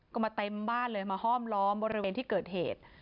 ก็มาเต็มบ้านเลยมาห้อมล้อมบริเวณที่เกิดเหตุ